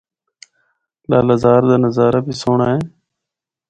لالہ زار دا نظارہ بھی سہنڑا اے۔